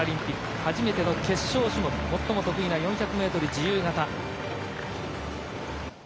初めての決勝種目最も得意な４００ｍ自由形。